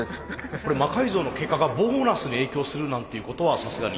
これ魔改造の結果がボーナスに影響するなんていうことはさすがに。